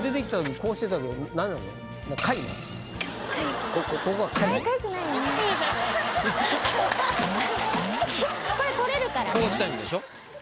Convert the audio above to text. こうしたいんでしょ。